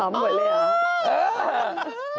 หอมหมดเลยเหรอ